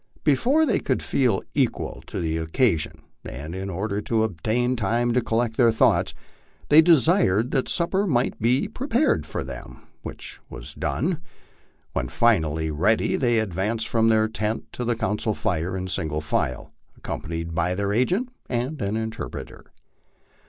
Before they could feel equal to the occasion, and in order to obtain time to collect their thoughts, they desired that supper might be pre pared for them, which was done. When finally ready they advanced from their tent to the council fire in single file, accompanied by their agent and an interpreter.